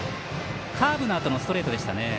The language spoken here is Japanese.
カーブのあとのストレートでした。